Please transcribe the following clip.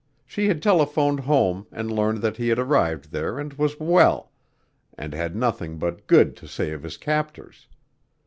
She had telephoned home and learned that he had arrived there and was well, and had nothing but good to say of his captors.